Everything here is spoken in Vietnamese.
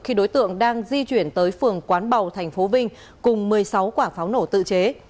khi đối tượng đang di chuyển tới phường quán bầu tp vinh cùng một mươi sáu quả pháo nổ tự chế